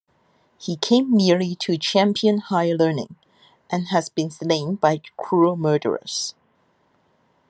He came merely to champion higher learning and has been slain by cruel murderers.